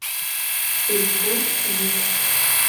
Телефон йӱк.